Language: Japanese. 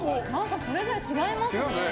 ぞれぞれ違いますね。